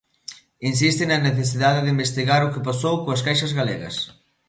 Insiste na necesidade de investigar o que pasou coas caixas galegas.